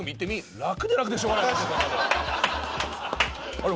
あれ？